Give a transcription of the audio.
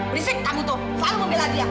berisik kamu tuh selalu membela dia